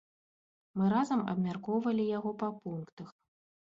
Мы разам абмяркоўвалі яго па пунктах.